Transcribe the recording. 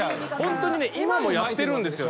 今もやってるんですよね。